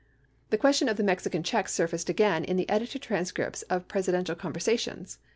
71 The question of the Mexican checks surfaced again in the edited transcripts of Presidential conversations.